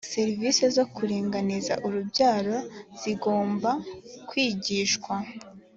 serivisi zo kuringaniza urubyaro zizgomba kwigishwa.